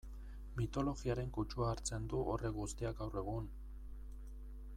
Mitologiaren kutsua hartzen du horrek guztiak gaur egun...